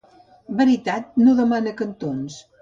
Veritat no demana cantons.